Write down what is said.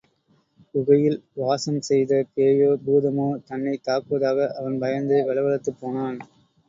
குகையில் வாசம் செய்த பேயோ, பூதமோ தன்னைத் தாக்குவதாக அவன் பயந்து வெலவெலத்துப் போனான்.